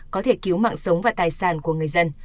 có thể cứu mạng sống và tài sản của người dân